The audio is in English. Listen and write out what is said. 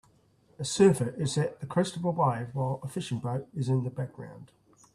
A surfer is at the crest of a wave while a fishing boat is in the background.